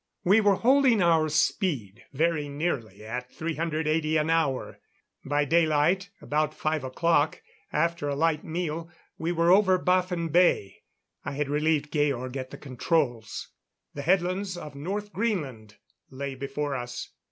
We were holding our speed very nearly at 380 an hour. By daylight about five o'clock, after a light meal we were over Baffin Bay. I had relieved Georg at the controls. The headlands of North Greenland lay before us.